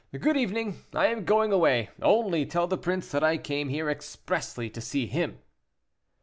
Good evening, I am going away; only tell the prince that I came here expressly to see him."